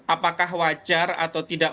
apakah wajar atau tidak